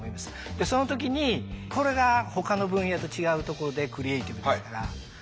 でその時にこれがほかの分野と違うとこでクリエイティブですから。